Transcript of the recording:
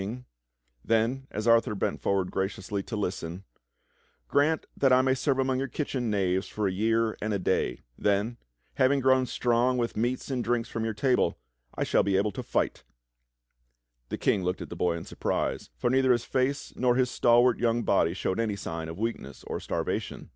GARETH THE KITCHEN KNAVE 41 Then as Arthur bent forward graciously to listen: "Grant that I may serve among your kitchen knaves for a year and a day. Then, having grown strong with meats and drinks from your table, I shall be able to fight." The King looked at the boy in surprise, for neither his face nor his stalwart young body showed any signs of weakness or starvation.